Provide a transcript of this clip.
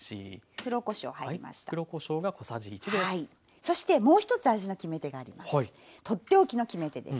そしてもう一つ味の決め手があります。